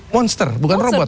monster bukan robot